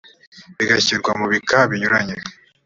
bigashyirwa mu bika binyuranye